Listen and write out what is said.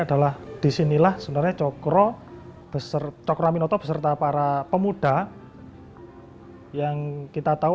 adalah disinilah sebenarnya cokro beserta krominot beserta para pemuda yang kita tahu